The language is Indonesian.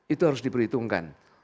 itu harus diperhitungkan